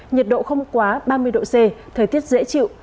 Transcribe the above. nhiệt độ không quá ba mươi độ c thời tiết dễ chịu